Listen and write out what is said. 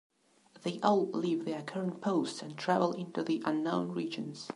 They all leave their current posts and travel into the Unknown Regions.